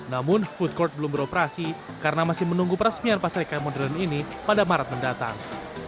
namun food court belum beroperasi karena masih menunggu peresmian pasar ikan modern ini pada maret mendatang